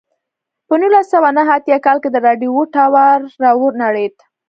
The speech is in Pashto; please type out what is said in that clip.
په نولس سوه نهه اتیا کال کې د راډیو ټاور را ونړېد.